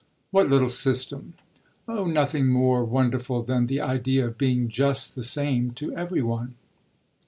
"What little system?" "Oh nothing more wonderful than the idea of being just the same to every one.